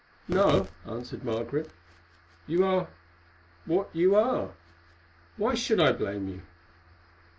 "No," answered Margaret, "you are—what you are; why should I blame you?"